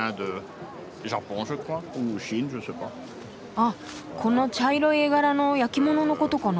あっこの茶色い絵柄の焼き物のことかな。